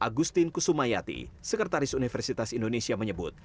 agustin kusumayati sekretaris universitas indonesia menyebut